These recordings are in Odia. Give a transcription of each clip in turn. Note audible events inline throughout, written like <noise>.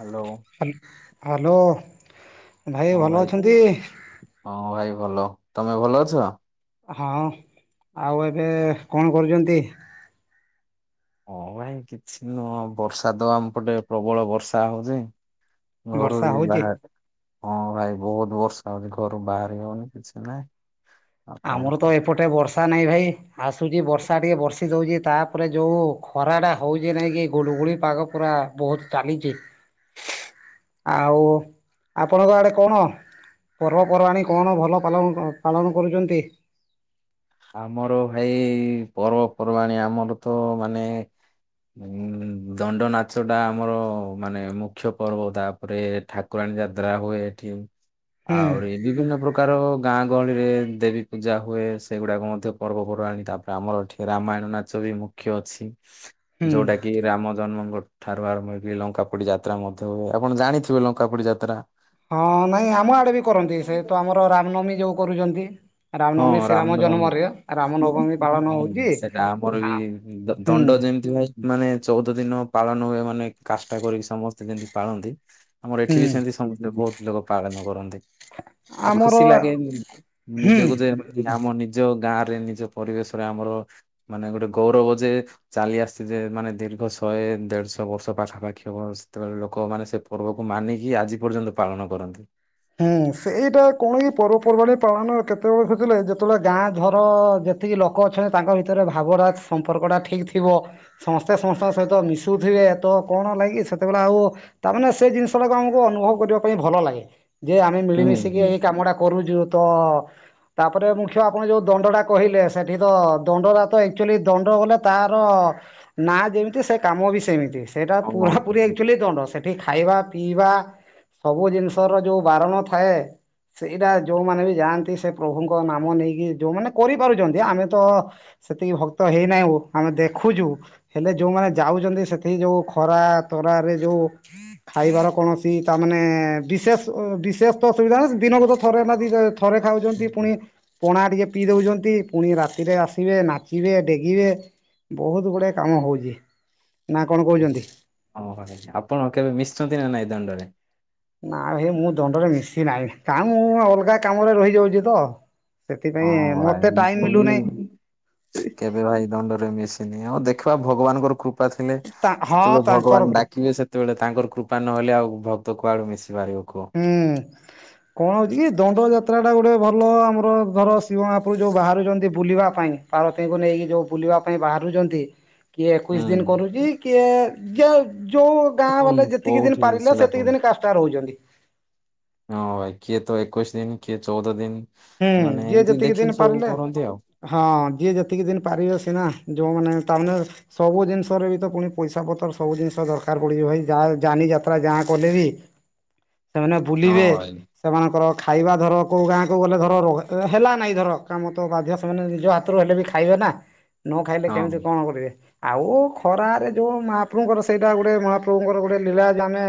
ହ୍ୟାଲୋ ହାଲ ହ୍ୟାଲୋ। ଭାଇ ଆଉ ଭଲ ଅଛନ୍ତି? ହଁ ଭାଇ ଭଲ। ତମେ ଭଲ ଅଛ? ହଁ, ଆଉ ଏବେ କଣ କରୁଛନ୍ତି? ହଁ ଭାଇ କିଛି ନୁହଁ ବର୍ଷା ତ ଆମ ପଟେ ପ୍ରବଳ ବର୍ଷା ହଉଚି। ଘରୁ ବର୍ଷା ବି ହଉଛି? ବାହାରି ହଁ ଭାଇ ବହୁତ ବର୍ଷା ହଉଛି ଘରୁ ବାହାରି ହଉନି କିଛି ନାହିଁ। ଆଉ କଣ ଆମର ତ କର ଏପଟେ ବର୍ଷା ନାହିଁ ଭାଇ। ଆସୁଚି ବର୍ଷା ଟିକେ ବର୍ଷି ଦଉଚି ତାପରେ ଯୋଉ ଖରାଟା ହଉଛି ନାଇଁ କି ଗୁଳୁଗୁଳି ପାଗ ପୁରା ବହୁତ ଚାଲିଚି। <inaudible> ଆଉ ଆପଣଙ୍କ ଆଡେ କଣ? ପର୍ବପର୍ବାଣି କଣ ଭଲ ପାଲ ପାଲନ କରୁଚନ୍ତି। ଆମର ଭାଇ ପର୍ବପର୍ବାଣି ଆମର ତ ମାନେ ଉଁ ଦଣ୍ଡନାଚ ଟା ଆମର ମାନେ ମୁଖ୍ୟ ପର୍ବ ତାପରେ ଠାକୁରାଣୀ ଯାତ୍ରା ହୁଏ, ଏଠି ହୁଁ ଆହୁରି ବିଭିନ୍ନ ପ୍ରକାର ଗାଁ ଗହଳିରେ ଦେବୀ ପୂଜା ହୁଏ, ସ ସେଗୁଡାକ ମଧ୍ୟ ପର୍ବପର୍ବାଣି ତାପରେ ଆମର ଏଠି ରାମାୟଣ ନାଚ ବି ମୁଖ୍ୟ ଅଛି। ହୁଁ ଯୋଉଟା କି ରାମ ଜନ୍ମଙ୍କ ଠାରୁ ଆରମ୍ଭ ହେଇକି ଲଙ୍କାପୋଡି ଯାତ୍ରା ମଧ୍ୟ ହୁଏ, ଆପଣ ଜାଣିଥିବେ ଲଙ୍କାପୋଡି ଯାତ୍ରା। ହଁ ନାଇଁ ଆମ ଆଡେ ବି କରନ୍ତି ସେ ତ ଆମର ରାମନବମୀ ଯୋଉ କରୁଚନ୍ତି। ହଁ ରାମନବମୀ ଶ୍ରୀରାମ ରାମନବମୀ। ଜନ୍ମରେ ରାମନବମୀ ପାଳନ ହୁଁ ହଉଚି, ଆ ହୁଁ। ଯେମତି ଭାଇ ମାନେ ଚଉଦ ଦିନ ପାଳନ ହୁଏ ମାନେ କାଷ୍ଟା କରିକି ସମସ୍ତେ ଯେମିତି ପାଳନ୍ତି ଆମର ଏଠି ବି ହୁଁ ସେମତି <unintelligible> ବହୁତ ଲୋକ ପାଳନ କରନ୍ତି। ଆଉ ଆମର ଖୁସି ଲାଗେ ହୁଁ ନିଜକୁ ଯେ ଆମ ନି ନିଜ ଗାଁ ରେ ନିଜ ପରିବେଶ ରେ ଆମର ମାନେ ଗୋଟେ ଗୌରବ ଯେ ଚାଲି ଆସଚି ଯେ ମାନେ ଦି ର୍ଘ ଶହେ ଦେଢ଼ଶ ବର୍ଷ ପାଖାପାଖି ହବ ସେତେବେଳେ ଲୋକମାନେ ସେ ପର୍ବକୁ ମାନିକି ଆଜି ପର୍ଯ୍ୟନ୍ତ ପାଳନ କରନ୍ତି। ହୁଁ ସେଇଟା କୌଣ ପର୍ବପର୍ବାଣି ପାଳନ କେତେବେଳେ କିଏ ଥିଲେ ଯେତେବେଳେ ଗାଁ ଘର ଯେତିକି ଲୋକ ଅଛନ୍ତି ତାଙ୍କ ଭିତରେ ଭାବଟା ସମ୍ପର୍କଟା ଠିକ୍ ଥିବ ସମସ୍ତେ ସମସ୍ତଙ୍କ ସହିତ ମିଶୁଥିବେ ତ କଣ ହେଲା କି ସେତେବେଳେ ଆଉ ତା ମାନେ ସେ ଜିନ ଷ ଟାକୁ ଆମୁକୁ ଅନୁଭବ କରିବା ପାଇଁ ଭଲ ଲାଗେ। ଯେ ଆମେ ମିଳିମିଶିକି ହୁଁ। ଏଇ କାମଟା କରୁଚୁ ତ ତାପରେ ମୁଖ୍ୟ ଆପଣ ଯୋଉ ଦଣ୍ଡଟା କହିଲେ ସେଠି ତ ଦଣ୍ଡଟା ତ ଆକଚୁଆଲି ଦଣ୍ଡ ଗଲେ ତାର ନା ଯେମିତି ସେ କାମ ବି ସେମିତି। ସେଇଟା ହଁ ପୁରା ପୁରି ଆକଚୁଆଲି ଦଣ୍ଡ ସେଠି ଖାଇବା ପିଇବା ସବୁ ଜିନଷର ଯୋଉ ବାରଣ ଥାଏ। ସେଇଟା ଯୋଉମାନେ ବି ଯାଆନ୍ତି ସେ ପ୍ରଭୁଙ୍କ ନାମ ନେଇକି ଯୋଉମାନେ କରିପାରୁଛନ୍ତି ଆମେ ତ ସେତିକି ଭକ୍ତ ହେଇନାହୁଁ ଆମେ ଦେଖୁଛୁ ହେଲେ ଯୋଉମାନେ ଯାଉଛନ୍ତି ସେଠକି ଯୋଉ ଖରା ତ ଖରାରେ ଯୋଉ ଖାଇବାର କୌଣସି ତାମାନେ ବିଶେଷ ବିଶେଷ ତ ଅସୁବିଧା ନା ଦିନକୁ ତ ଥରେ ନା ଦି ଥରେ ଖାଉଛନ୍ତି ପୁଣି ପଣା ଟିକିଏ ପିଇ ଦେଉଛନ୍ତି। ପୁଣି ରାତିରେ ଆସିବେ ନାଚିବେ ଡେଗିବେ ବହୁତ ଗୁଡ଼ାଏ କାମ ହଉଛି। ନା କଣ କହୁଛନ୍ତି ହଁ ଭ ଆପଣ କେବେ ମିଶୁଛନ୍ତି ନା ନାଇଁ ଦଣ୍ଡରେ। ନା ଭାଇ ମୁଁ ଦଣ୍ଡରେ ମିଶି ନାହିଁ କାଉ ମୁଁ ଅଲଗା କାମରେ ରହିଯାଉଛି ତ। ସେଥିପାଇଁ ହଁ ମତେ ଟାଇମ ମିଲୁନାହିଁ ଭାଇ କେବେ ଭାଇ ଦଣ୍ଡରେ ମିଶି ଆଉ ଦେଖିବା ଭଗବାନଙ୍କ କୃପା କୃପା ଥିଲେ ହଁ ସେତେବେଳେ ତାଙ୍କର ଭଗବାନ ଗ୍ରୁପ ଡାକିବେ ସେତେବେଳେ ତାଙ୍କର କୃପା ନହେଲେ ଆଉ ଭକ୍ତ କୁଆଳୁ ମିଶ ହୁଁ କଣ କି ଦଣ୍ଡ ଜାତ ଯାତ୍ରାଟା ଗୋଟେ ଭଲ ଆମର ଧର ଶିବ ମାପୁର ଯୋଉ ବାହାରୁଛନ୍ତି ବୁଲିବା ପାଇଁ ପାରବତୀଙ୍କୁ ନେଇକି ଯୋଉ ବୁଲି ବାହାରୁଛନ୍ତି କିଏ ଏକୋଇଶ ଦିନ ହୁଁ କରୁଛି କିଏ କିଏ ଯୋଉ ଗାଁ ହୁଁ ଗଲେ ଯେତିକି କୋଉଠି ଦିନ ପାରିଲେ ସେଟା ତ ସେତିକି ଦିନ କାଷ୍ଟା ରହୁଛନ୍ତି। ହଁ ଭାଇ କିଏ ତ ଏକୋଇଶ ଦିନ କିଏ ଚଉଦ ଦିନ। ହୁଁ ମାନେ ଯିଏ ଏମିତି ଯେତିକି ଦିନ ଦେଖିକି ସବୁ ପାରିଲେ କରନ୍ତି ଆଉ ହଁ ଯିଏ ଯେତିକି ଦିନ ପାରିବେ ସିନା। ଯୋଉମାନେ ତାମାନେ ସବୁ ଜିନିଷରେ ବି ତ ପୁଣି ପଇସା ପତ୍ର ସବୁ ଜିନିଷ ଦରକାର ପଡୁଛି ଭାଇ ଯା ଯାନି ଯା ଯାତ୍ରା ଯାହା କଲେ ବି ସେମାନେ ହଁ ବୁଲିବେ ଭାଇ ସେମାନଙ୍କର ଖାଇବା ଧର କୋଉ ଗାଁ କୁ ଗଲେ ଧର ହେଲା ନାଇଁ ଧର କାମ ତ ବାଧ୍ୟ ସେମାନେ ନିଜ ହାତରୁ ହେଲେ ବି ଖାଇବେ ନା। ନ ଖାଇଲେ ହଁ କେମିତି କଣ କରିବେ? ଆଉ ଖରାରେ ଯୋଉ ମହାପ୍ରଭୁଙ୍କର ସେଇଟା ଗୋଟେ ମହାପ୍ରଭୁଙ୍କର ଗୋଟେ ଲୀଳା ଯେ ଆମେ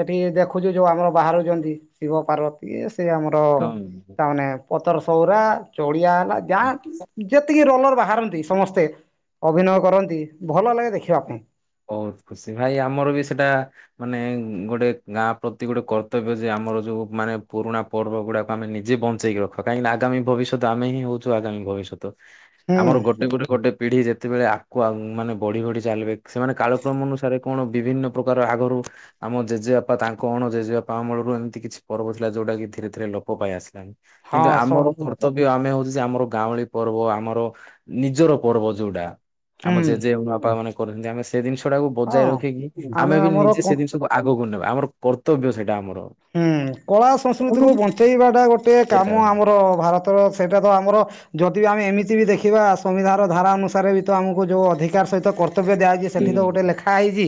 ସେଠି ଦେଖୁଛୁ ଯୋଉ ଆମର ବାହାରୁଛନ୍ତି ଶିବ ପାର୍ବତୀ। ଆମର ହଁ। ତାମାନେ ପତର ସଉରା ଚଡିଆ ହେଲା ଯାହା ଯେତିକି ରୋଲର ବାହାରନ୍ତି ସମସ୍ତେ ଅଭିନୟ କରନ୍ତି ଭଲ ଲାଗେ ଦେଖିବା ପାଇଁ। ବହୁତ ଖୁସି ଭାଇ ଆମର ବି ସେଇଟା ମାନେ ଗୋଟେ ଗାଁ ପ୍ରତି ଗୋଟେ କର୍ତ୍ତବ୍ୟ ଯେ ଆ ଆମର ଯୋଉ ମାନେ ପୁରୁଣା ପର୍ବ ଗୁଡାକୁ ଆମେ ନିଜେ ବଞ୍ଚେଇକି ରଖ କାହିଁକିନା ଆଗାମୀ ଭବିଷ୍ୟତ ଆମେ ହିଁ ହଉଛୁ ଆଗାମୀ ଭବିଷ୍ୟତ ହୁଁ ଆମର ଗୋଟେ ପରେ ଗୋଟେ ପିଢି ଯେତେବେଳେ ଆଗକୁ ଆଗକୁ ମାନେ ବଢି ବଢି ଚାଲିବେ। ସେମାନେ କାଳକ୍ରମ ଅନୁସାରେ କଣ ବିଭିନ୍ନ ପ୍ରକାର ଆଗରୁ ଆମ ଜେଜେବାପା ତାଙ୍କ ଅଣ ଜେଜେବାପା ଅମଳ ଏମିତି କିଛି ପର୍ବ ଥିଲା ଯୋଉଟା କି ଧୀରେ ଧୀରେ ଲୋପ ପାଇ ଆସିଲାଣି କିନ୍ତୁ ହଁ ସ ଆମର କର୍ତ୍ତବ୍ୟ ଆମେ ଆମର ଗାଉଁଳି ପର୍ବ ଆମର ନିଜର ପର୍ବ ଯୋଉଟା ଆମ ହୁଁ ଜେଜେ ବାପା ମାନେ ଆମେ ସେ ଜିନିଷ ଟାକୁ ବଜାୟ ହଁ ରଖିକି ଆମେ ବି ଆମର ନିଜେ କ ସେ ଜିନିଷକୁ ଆଗକୁ ନେବା। ଆମର କର୍ତ୍ତବ୍ୟ ସେଇଟା ଆମର। ହୁଁ କଳା ସଂସ୍କୃତିକୁୁ ବଞ୍ଚେଇବାଟା ଗୋଟେ ସେଇଟା କାମ ହୁଁ ଆମର ଭାରତର। ସେଇଟା ତ ଆମର ଯଦି ବି ଆମେ ଏମିତି ବି ଦେଖିବା ସମ୍ବିଧାନର ଧାରା ଅନୁସାରେ ବି ତ ଆମକୁ ଯେଉଁ ଅଧିକାର ସହିତ କରି କର୍ତ୍ତବ୍ୟ ଦିଆଯଛି ସେଠି ତ ଗୋଟେ ଲେଖା ହେଇଛି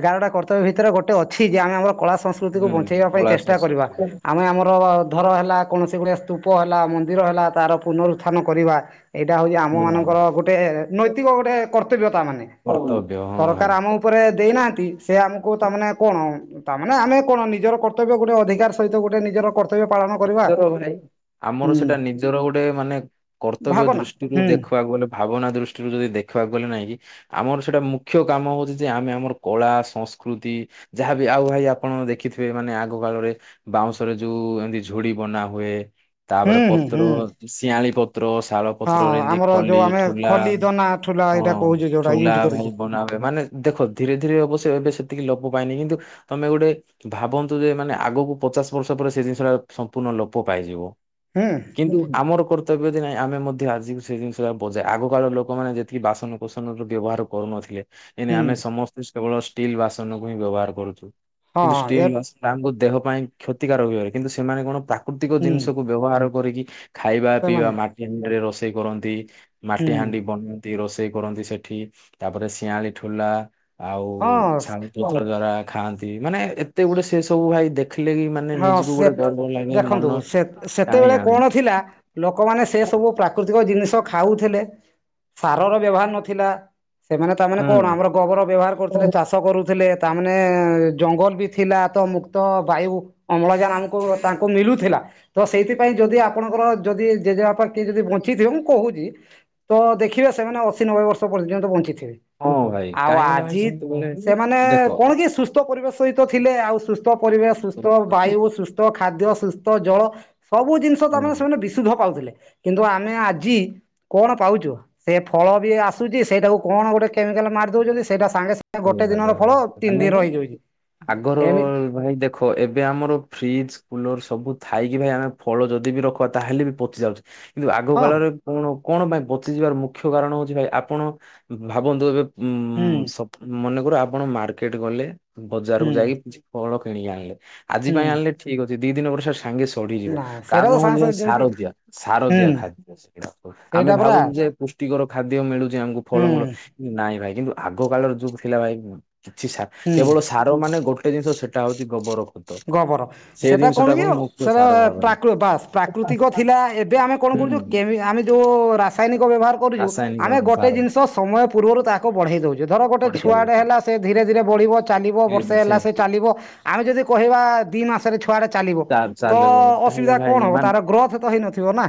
ଏଗାରଟା କର୍ତ୍ତବ୍ୟ ଭିତରେ ଗୋଟେ ଅଛି ଯେ ଆମେ ଆମର କଳା ସନ୍ ସଂସ୍କୃତି କୁ ହୁଁ ବଞ୍ଚେଇବା ପାଇଁ କଳା ଚେଷ୍ଟା କରିବା ସଂସ୍କୃତି ଆମେ ଆମର ଧର ହେଲା କୌଣସି ଗୁଡିଏ ସ୍ତୂପ ହେଲା, ମନ୍ଦିର ହେଲା ତାର ପୁନରୁତ୍ଥାନ କରିବା। ଏଇଟା ହଉଛି ଆମ ହୁଁ ମାନଙ୍କର ଗୋଟେ ନୈତିକ ଗୋଟେ କର୍ତ୍ତବ୍ୟ। ତା ମାନେ କର୍ତ୍ତବ୍ୟ ହଁ ସରକାର ଆମ ଭାଇ। ଉପରେ ଦେଇନାହାନ୍ତି। ସେ ଆମକୁ ତାମାନେେ କଣ ତା ମାନେ ଆମେ କଣ ନିଜର କର୍ତ୍ତବ୍ୟ ଗୋଟେ ଅଧିକାର ସହିତ ଗୋଟେ ନିଜର କର୍ ପାଳନ କରିବା। ନିଜର ଭାଇ ଆମର ହୁଁ ସେଟା ନିଜର ଗୋଟେ ମାନେ କର୍ତ୍ତବ୍ୟ ଭାବନା ଦୃଷ୍ଟିରୁ ହୁଁ ଦେଖିବାକୁ ଗଲେ ଭାବନା ଦୃଷ୍ଟିରୁ ଯଦି ଦେଖ ଦେଖିବାକୁ ଗଲେ ନାଇଁ କି? ଆମର ସେଇଟା ମୁଖ୍ୟ କାମ ହଉଛି ଯେ ଆମେ ଆମର କଳା, ସଂସ୍କୃତି ଯାହାବି ଆଉ ଭାଇ ଆପଣ ଦେଖିଥିବେ ମାନେ ଆଗ କାଳରେ ବାଉଁଶରେ ଯୋଉ ଏମତି ଝୁଡି ବନା ହୁଏ। ତାପରେ ହୁଁ ହୁଁ ପତ୍ର ହୁଁ। ଶିଆଳି ପତ୍ର, ଶାଳ ହଁ ପତ୍ରରେ ଏମତି ଆମର ଖଲି ଯୋଉ ଆମେ ଠୋଲା। ଖଲି ଦନା ଠୁଲା ହଁ ଏଇଟା କହୁଛୁ ଯୋଉଟା ଥୋଲା ୟୁଜ କରୁଛୁ ଭାଇ ବନାବେ ମାନେ ଦେଖ ଧୀରେ ଧୀରେ ଅବଶ୍ୟ ଏବେ ସେତିକି ଲ ମୁଁ ପାଇନି କିନ୍ତୁ ତମେ ଗୋଟେ ଭାବନ୍ତୁ ଯେ ମାନେ ଆଗକୁ ପଚାଶ ବର୍ଷ ପରେ ସେ ଜିନିଷଟା ସମ୍ପୂର୍ଣ୍ଣ ଲୋପ ପାଇଯିବ ହୁଁ କିନ୍ତୁ ଆମର କର୍ତ୍ତ ବ୍ୟ ନାହିଁ ଆମେ ମଧ୍ୟ ଆଜି ସେ ଜିନିଷଟା ବଜାଏ ଆଗ କାଳ ଲୋକମାନେ ଯେତିକି ବାସନ କୁସନ ର ବ୍ୟବହାର କରୁନଥିଲେ। ଏଇନେ ହୁଁ ଆମେ ସମସ୍ତେ କେବଳ ଷ୍ଟିଲ୍ ବାସନକୁ ହିଁ ବ୍ୟବହାର କରୁଚୁ। ହଁ କିନ୍ତୁ ହଁ ଏ ଷ୍ଟିଲ ବାସନ ଆମଙ୍କୁ ଦେହ ପାଇଁ କ୍ଷତିକାରକ ହୁଏ କିନ୍ତୁ ସେମାନେ କଣ ପା ପ୍ରାକୃତିକ ହୁଁ ଜିନିଷକୁୁ ବ୍ୟବହାର କରିକି ଖାଇବା ପିଇବା ସେମାନେ ମାଟିହାଣ୍ଡିରେ ରୋଷେଇ କରନ୍ତି। ହୁଁ ମାଟି ହାଣ୍ଡି ବନାନ୍ତି ରୋଷେଇ କରନ୍ତି ସେଠି ତାପରେ ଶିଆଳି ଠୁଲା। ଆଉ। ହଁ ଛାଣୁ ପଥର ଦ୍ୱାରା ଖାଆନ୍ତି ମାନେ ଏତେ ଗୁଡ଼େ ସେ ସବୁ ଭାଇ ଦେ ରଖିଲେ କି ମାନେ ହଁ ନିଜକୁ ସେ ଗୋଟେ ଗର୍ବ ଲାଗେ ଦେଖନ୍ତୁ ମନ ସେତେ ଟାଣି ସେତେବେଳେ ଆଣେ। କଣ ଥିଲା ଲୋକମାନେ ସେ ସବୁ ପ୍ରାକୃତିକ ଜିନି ଖାଉଥିଲେ ସାରର ବ୍ୟବହାର ନଥିଲା। ସେମାନେ ତାମାନେ କଣ ହୁଁ ଆମର ଗୋବର ବ୍ୟବହାର କରୁଥିଲେ ଚାଷ କରୁଥିଲେ। ତାମାନେ ଜଙ୍ଗଲ ବି ଥିଲା ତ ମୁକ୍ତ ବାୟୁ ଅମ୍ଳଜାନ ଆମକୁ ତାଙ୍କୁ ମିଳୁଥିଲା ତ ସେଇଥିପାଇଁ ଯଦି ଆପଣଙ୍କର ଯଦି ଜେଜେବାପ କିଏ ଯଦି ବଞ୍ଚ ଥିବେ ମୁଁ କହୁଚି ତ ଦେଖିବା ସେମାନେ ଅଶୀ ନବେ ବର୍ଷ ପର୍ଯ୍ୟନ୍ତ ବଞ୍ଚିଥିବେ ବେ ହଁ ଭାଇ ଆଉ କାହିଁକି ନା ଭାଇ ଆଜିି ସେତେବେଳେ ସେମାନେ ଦେଖ କଣ କି ସୁସ୍ଥ ପରିବେଶ ସହିତ ଥିଲେ ଆଉ ସୁସ୍ଥ ପରିବେଶ ସୁସ୍ଥ ବାୟୁ ସୁସ୍ଥ ଖାଦ୍ୟ ସୁସ୍ଥ ଜଳ ସବୁ ଜିନିଷ ତ ଆମେ ହୁଁ ସେମାନେ ବିଶୁଦ୍ଧ ପାଉଥିଲେ କିନ୍ତୁ ଆମେ ଆଜି କଣ ପାଉଚୁ ସେ ଫଳ ବି ଆସୁଚି ସେଇଟାକୁ କଣ ଗୋଟେ କେମିକାଲ ମାରି ଦଉଚନ୍ତି ସେଇଟା ସାଙ୍ଗେ ସାଙ୍ଗେ ଗୋଟେ ାଗ ଦିନର ଫଳ ଭାଇ ତିନି ମାନେ ଦିନ ରହିଯାଉଛି ଆଗର ଏମିତି ଭାଇ ଦେଖ ଏବେ ଏବେ ଆମର ଫ୍ରିଜ୍ କୁଲର ସବୁ ଥାଇକି ଭାଇ ଆମେ ଫଳ ଯଦି ବି ରଖିବା ତାହେଲେ ବି ପଚି ଯାଉଚି କିନ୍ତୁ ଆଗ ହଁ କାଳରେ କଣ କଣ ପାଇଁ ବଚିଯିବାର ମୁଖ୍ୟ କାରଣ ହଉଚି ଭାଇ ଆପଣ ଭାବନ୍ତୁ ଏବେ ହୁଁ ଉଁ ସବୁ ମନେକୁ ଆପଣ ମାର୍କେଟ ଗଲେ ବଜାରକୁ ହୁଁ ଯାଇକି କିଛି ଫଳ କିଣିକି ଆଣିଲେ ଆଜି ହୁଁ ପାଇଁ ଆଣିଲ ଠିକ୍ ଅଛି ଦି ଦିନ ପରେ ସେ ସାଙ୍ଗେ ସଢଯିବ ନା ସେଇଟା କାରଣ ତ ସାଙ୍ଗେ ହଉଚି ସାଙ୍ଗେ ଦଉଛି ସାରଦିଆ ସାରଦିଆ ହୁଁ ଖାଦ୍ୟା ଆମେ ସେଇଟା ପରା ଭାବୁଚୁ ଯେ ପୁଷ୍ଟିକର ଖାଦ୍ୟ ମିଳୁଚି ଆମକୁ ହୁଁ ଫଳମୂଳ ନାଇଁ ଭାଇ କିନ୍ତୁ ଆଗ କାଳର ଯୋ ଥିଲା ଭାଇ କିଛି ସାର ହୁଁ କେବଳ ସାର ମାନେ ଗୋଟେ ଜିନିଷ ସେଟା ହଉଚି ଗୋବର ଖତ ଗୋବର ସେ ସେଟା ଜିନିଷ କଣ କି ଟାକୁ ହିଁ ଓ ମୁଖ୍ୟ ସେରା ସାର ଭାବରେ ପ୍ରାକୃ ବାସ୍ ପ୍ରାକୃତିକ ଥିଲା ଏବେ ଆମେ କଣ କଣ ଯୋଉ ହୁଁ କେମିକାଲ ଆମେ ଯୋଉ ରାସାୟନି କ ବ୍ୟବହାର କରୁଚୁ ଆମେ ରାସାୟନିକ ଗୋଟେ ସାର ଜିନିଷ ସମୟ ପୂର୍ବରୁ ତାକୁ ବଢେଇ ଦଉଚୁ। ଯେ ଧର ଗୋଟେ ବଢିଆ ଛୁଆଟେ ହେଲା ସେ ଧୀରେ ଧୀରେ ବଢ଼ିବ ଚାଲିବ ବର୍ଷେ ହେଲା ସେ ଚାଲିବ ଆମେ ଯଦି କିମ୍ବା ଦି ମାସରେ ଛୁଆଟା ଚାଲିବ ତ ଚାଲୁ ଅ ତାହେଲେ ଅସୁବିଧା କଣ ଭାଇ ହବ ମାନେ ତାର ଗ୍ରୋଥ୍ ତ ହେଇନଥିବ ନା।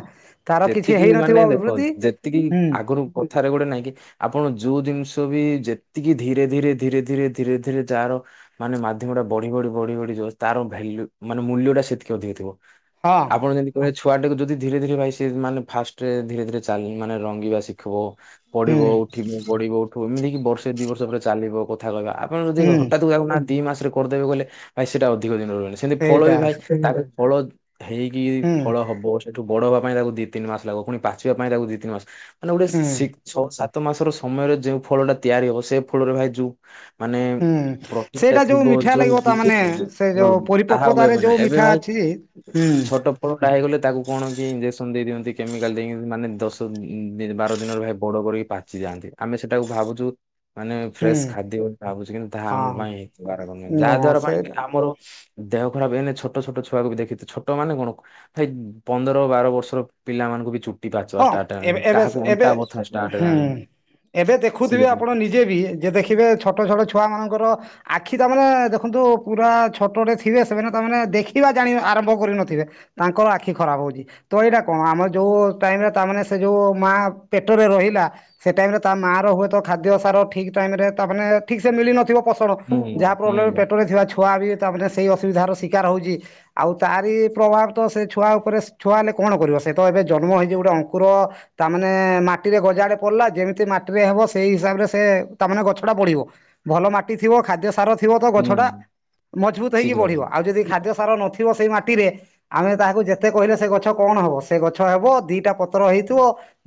ତାର କିଛି ଯେତିକି ହେଇନଥିବ ମାନେ ଦେଖ ଅଭିବୃଦ୍ଧି ଯେତିକି ହୁଁ ଆଗରୁ କଥାରେ ଗୋଟେ ନାଇଁ କି ଆପଣ ଯୋଉ ଜିନିଷ ବି କିଯେତି ଏତିକି ଧୀରେ ଧୀରେ ଧୀରେ ଧୀରେ ଧୀରେ ଧୀରେ ଯାର ମାନେ ମାଧ୍ୟମଟା ବଢି ବଢି ବଢି ବଢି ତାର ଭ୍ୟାଲୁ ମାନେ ମୂଲ୍ୟ ଟା ସେତିକି ଅଧିକଥିବ ହଁ ଆପଣ ଯେମିତି କହିବେ ଛୁଆ ଟାକୁ ଯଦି ଧୀରେ ଧୀରେ ବାଇଶି ସେ ମାନେ ଫାଷ୍ଟରେ ଧୀରେ ଧୀରେ ଚାଲି ମାନେ ରଙ୍ଗିବା ଶିଖିବ ହୁଁ ପଢିବ ଉଠିବ ପଢିବ ଉଠ ଓ ଏମତି କି ବର୍ଷେ ଦି ବର୍ଷ ପରେ ଚାଲିବ କଥା କହିବ ଆପଣ ଯଦି ହୁଁ ହଠାତ୍ କୁ ଚାଲୁ ଦି ମାସରେ କରିଦେବେ କହିଲେ ଭାଇ ସେଇଟା ଅଧିକ ଦିନ ହେଲାଣି ସେମିତି ଫଳ ସେଇଟା ବି ଭାଇ ତାର ଫଳ ହେଇକି ହୁଁ ଫଳ ହବ ସେଠୁ ବଡ଼ ହବା ପାଇଁ ତାକୁ ଦି ତିନି ମାସ ଲାଗିବ ପୁଣି ପାଚିବା ପାଇଁ ତାକୁ ଦି ତିନି ମାସ ମାନେ ଗୋଟେ ହୁଁ ସିକ୍ ଛଅ ସାତ ମାସର ସମୟରେ ଯୋଉ ଫଳ ଟା ତିଆରି ହବ ସେଇ ଫଳରେ ଭାଇ ଯୋଉ ମାନେ ହୁଁ ପ୍ରକୃତି ଟା ସେଇଟା ଥିବ ମିଠା ଯୋଉ ଲାଗିବ ତା ଦିନି ମାନେ ସେ ହଁ ଯୋଉ ତାହା ଆଉ ପରିପକ୍ୱତାରେ ଏବେ ନାହିଁ ଯୋଉ ଏବେ ମିଠା ଭାଇ ଅଛି ହୁଁ ଛୋଟ ଫଳଟା ହେଇଗଲେ ତାକୁ କଣ କଣ ଦେଇ ଦିଅନ୍ତି କେମିକାଲ ଦେଇକି ମାନେ ଦଶ ବାର ଦିନରେ ଭାଇ ବଡ଼ କରିକି ପାଚି ଯାଆନ୍ତି ଆମେ ସେଟାକୁ ଭ ଭାବୁଚୁ ମାନେ ହୁଁ ଫ୍ରେଶ୍ ଖାଦ୍ୟ ବୋଲି ଭାବୁଚୁ କିନ୍ତୁ ତାହା ଆମ ପାଇଁ ହଁ ହିତା କାରକ ନୁହେଁ ଯାହା ନୁହଁ ଦ୍ଵାରା ପାଇଁ ସେଇଟା ଆମର ଦେହ ଖରାପ୍ ହେନେ ଛୋଟ ଛୋଟ ଛୁଆକୁ ବି ଦେଖିଥିବେ ଛୋଟ ମାନେ କଣ ଭାଇ ପନ୍ଦର ବାର ବର୍ଷ ପିଲାମାନଙ୍କୁ ବି ଚୁଟି ହଁ ପାଚବା ାର୍ଟ ଏବେ ହେଲାଣି ଏବେ କାହାକୁ ଏବେ ଅଣ୍ଟା ବଥା ଷ୍ଟାର୍ଟ ହୁଁ। ହେଲାଣି। ଏବେ ଦେଖୁଥିବେ ଆପଣ ନିଜେ ବି ଯେ ଦେଖିବେ ଛୋଟ ଛୋଟ ଛୁଆ ମାନଙ୍କର ଆଖି ତାମାନେ ଦେଖନ୍ତୁ ପୁରା ଛୋଟଟେ ଥିବେ ସେମାନେ ତମାନେେ ଦେଖିବା ଜାଣ ଆରମ୍ଭ କରିନଥିବେ। ତାଙ୍କର ଆଖି ଖରାପ ହଉଛି। ତ ଏଇଟା କଣ ଆମର ଯୋଉ ଟାଇମ ରେ ତା ସେ ଯୋଉ ମା ପେଟରେ ରହିଲା ସେ ଟାଇମ ରେ ତା ମା ର ହୁଏତ ଖାଦ୍ୟ ସାର ଠିକ ଠା କାହିଁକିରେ ତାମାନେ ଠିକ୍‌ ସେ ମିଳି ନଥିବ ପସର ହୁଁ ହୁଁ ଯାହାବଲେ ପେଟରେ ଥିବା ଛୁଆ ବି ସେଇ ଅସୁବିଧାର ଶିକାର ହଉଛି ଆଉ ତାରି ପ୍ରଭାବ ତ ସେ ଛୁଆ ଉପରେ ଛୁଆ ହେଲେ କଣ କରିବ ସେତ ଏ ଜନ୍ମ ହେଇ ଯେ ଗୋଟେ ଅଙ୍କୁର ତାମାନେ ମାଟିରେ ଗଜା ଆଡେ ପଡିଲା ଯେମିତି ମାଟିରେ ହେବ ସେଇ ହିସାବରେ ସେ ତ ମାନେ ଗଛଟା ବଢିବ ଭଲ ମାଟି ଥିବ ଖାଦ୍ୟ ସାର ଥିବ ତ ହୁଁ ଗଛଟା ମଜବୁତ ହେଇକି ଶୀଘ୍ର ବଢିବ ଆଉ ଯଦି ଖାଦ୍ୟ ସାର ନଥିବ ସେଇ ମା ଟିରେ ଆମେ ତାହାକୁ ଯେତେ କହିଲେ ସେ ଗଛ କଣ ହବ ସେ ଗଛ ହବ ଦିଟା ପତ୍ର ହେଇଥିବ।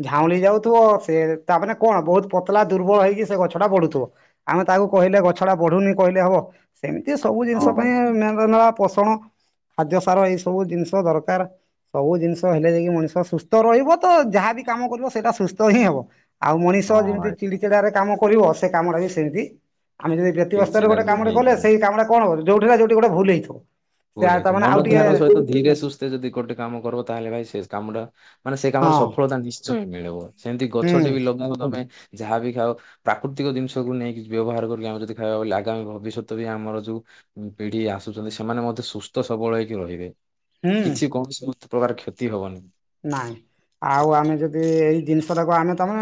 ଝାଉଁଳି ଯାଉଥିବ ସେ ତାମାନେ କଣ ବହୁତ ପତଳା ଦୁର୍ବଳ ହେଇକି ସେ ଗଛ ଟା ପଢୁଥିବ ଆମେ ତାକୁ କହି କହିଲେ ଗଛ ଟା ବଢୁନି କହିଲେ ହବ ସେମିତି ସବୁ ଜିନିଷ ପାଇଁ ହଉ ମେ ମେଳା ପୋଷଣ ଖାଦ୍ୟ ସାର ଏଇ ସବୁ ଜିନିଷ ଦରକାର ସବୁ ଜିନିଷ ହେଲେ ଯାଇକି ମଣିଷ ସୁସ୍ଥ ତ ରହିବ ତ ଯାହା ବି କାମ କରିବ ସେଇଟା ସୁସ୍ଥ ହିଁ ହବ। ଆଉ ମଣିଷ ହଁ ଯେମିତି ଭାଇ ଚିଡିଚିଡାରେ କାମ କରିବ ସେ କାମଟା ବି ସେମିତି ଆମେ ଯଦି ବ୍ୟତିବସ୍ଥାରେ ଚିଡ଼ଚିଡ଼ା ଗୋଟେ କାମେ କଲେ ହେଇଯିବ ସେଇ କାମଟା କଣ ହବ। ଯଉଠି ନା ଯୋଉଠି ଗୋଟେ ଭୁଲହେଇଥିବ। ଭୁଲହେଇଯିବ ମନ ଧ୍ୟାନ ସହିତ ଧୀରେ ସୁସ୍ଥେ ଯଦି ଗୋଟେ କାମ କରିବ ତାହେଲେ ଭାଇ ସେ କାମଟା ମାନେ ସେ କାମର ହଁ ସଫଳତା ନିଶ୍ଚୟ ମିଳିବ। ସେମିତି ହୁଁ ଗଛଟ ବି ଲଗେଇବ ତମେ ଯାହା ବିି ଖାଉ ପ୍ରାକୃତିକ ଜିନିଷକୁ ନେଇକି ବ୍ୟବହାର କରିକି ଆମେ ଯଦି ଖାଇବା ବୋଇଲେ ଆଗାମୀ ଭବିଷ୍ୟତ ବି ଆମର ଯେଉଁ ପିଢି ଆସୁଛନ୍ତି ସେମାନେ ମ ସୁସ୍ଥ ସବଳ ହେଇକି ରହିବେ। ହୁଁ କିଛି କୌଣସି ସମସ୍ତ ପ୍ରକାର କ୍ଷତି ହବନି। ନାଇଁ। ଆଉ ଆମେ ଯଦି ଏଇ ଜିନିଷ ଟାକୁ ଆମେ ତମେ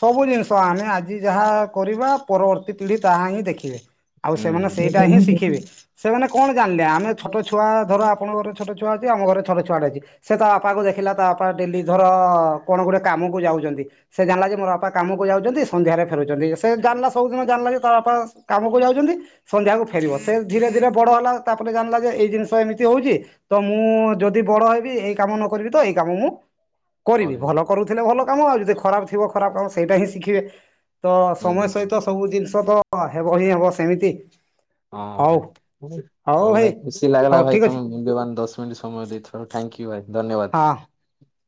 ସବୁ ଜିନିଷ ଆମେ ଆଜି ଯାହା କରିବା। ପରବର୍ତ୍ତୀ ପିଢି ତାହା ହିଁ ଦେଖିବେ। ଆଉ ସେମାନେ ହୁଁ। ସେଇଟା ହିଁ ଶିଖିବେ। ସେମାନେ କଣ ଜାଣିଲେ ଆମେ ଛୋଟ ଛୁଆ ଧର ଆପଣଙ୍କର ଛୋଟ ଛୁଆ ଅଛି। ଆମ ଘରେ ଛୋଟ ଛୁଆଟେ ଅଛି। ସେ ବାପାକୁ ଦେଖି ଥିଲା ତା ବାପା ଡେଲି ଧର କଣ ଗୋଟେ କାମକୁ ଯାଉଛନ୍ତି। ସେ ଜାଣିଲା ଯେ ମୋବାପା କାମକୁ ଯାଉଛନ୍ତି ସନ୍ଧ୍ୟାରେ ଫେରୁଛନ୍ତି ସେ ଜାଣିଲା ସବୁିଦିନ ଜାଣିଲା ଯେ ତା ବାପା କାମକୁ ଯାଉଛନ୍ତି। ସନ୍ଧ୍ୟାକୁ ଫେରିବ ସେ ଧୀରେ ଧୀରେ ବଡ଼ ହେଲା ତାପରେ ଜାଣିଲା ଯେ ଏଇ ଜିନିଷ ଏମିତି ହଉଛି। ତ ମୁଁ ଯଦି ବଡ ହେବି ଏଇ କାମ ନ କରିବି ତ ଏଇ କାମ ମୁଁ କରିବି। କରିବୁ ଭଲ କରୁଥିଲେ ଭଲ କାମ ଆଉ ଯଦି ଖରାପ ଥିବ ଖରାପ ଅବସ ସେଇଟା ହିଁ ଶିଖିବେ। ତ ସମୟ ହୁଁ ସହିତ ସବୁ ଜିନିଷ ତ ହେବ ହିଁ ହେବ ସେମିତି ହଁ ହଉ ଭାଇ ଓ ଭାଇ ହଉ ଭାଇ ଖୁସି ଲାଗିଲା ହଉ ଭାଇ ଠିକ୍ ଅଛି ତମେ ମୂଲ୍ୟବାନ ଦଶ ମିନିଟ ସମୟ ଦେଇଥିବାରୁ ଥ୍ୟାଙ୍କ ୟୁ ଭାଇ ହଁ। ଧନ୍ୟବାଦ। <inaudible>